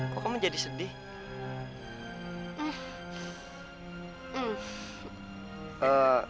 kok kamu jadi sedih